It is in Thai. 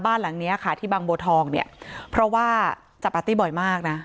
หลังเนี้ยค่ะที่บางบัวทองเนี่ยเพราะว่าจับปาร์ตี้บ่อยมากนะ